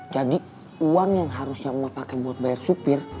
jadi uang yang harusnya emak pake buat bayar supir